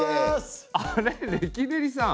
あれレキデリさん